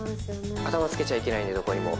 頭つけちゃいけないんで、どこにも。